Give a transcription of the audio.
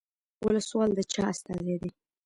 ولسوال د چا استازی دی؟